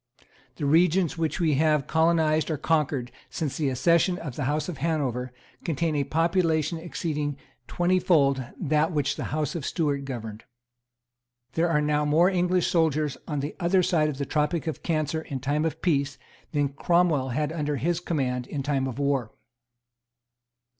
The regions which we have colonized or conquered since the accession of the House of Hanover contain a population exceeding twenty fold that which the House of Stuart governed. There are now more English soldiers on the other side of the tropic of Cancer in time of peace than Cromwell had under his command in time of war.